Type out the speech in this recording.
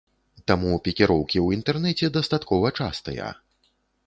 Таму пікіроўкі ў інтэрнэце дастаткова частыя.